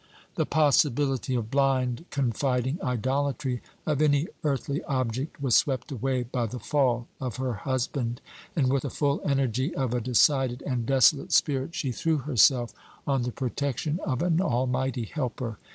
The possibility of blind, confiding idolatry of any earthly object was swept away by the fall of her husband, and with the full energy of a decided and desolate spirit, she threw herself on the protection of an almighty Helper.